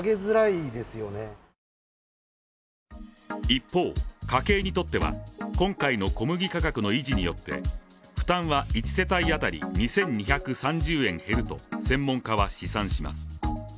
一方、家計にとっては今回の小麦価格の維持によって負担は１世帯当たり２２３０円減ると専門家は試算します。